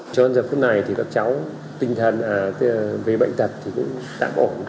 trong giật phút này thì các cháu tinh thần về bệnh tật cũng tạm ổn